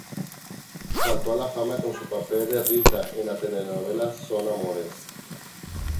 Saltó a la fama con su papel de Rita en la telenovela "Son amores".